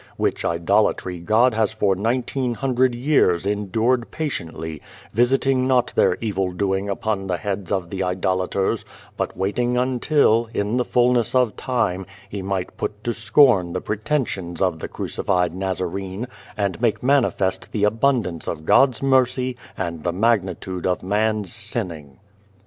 Which idolatry God has for nineteen hundred years endured patiently, visiting not their evil doing upon the heads of the idolaters, but waiting until, in the fulness of time, He might put to scorn the pretensions of the crucified Nazarene, and make manifest the abundance of God's mercy and the magnitude of man's sinning.